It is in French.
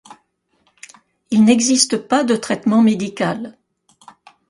Il n'existe pas de traitement médical.